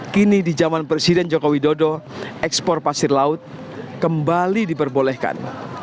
kini di zaman presiden joko widodo ekspor pasir laut kembali diperbolehkan